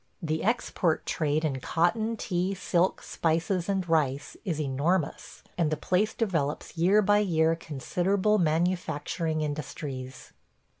The export trade in cotton, tea, silk, spices, and rice is enormous, and the place develops year by year considerable manufacturing industries.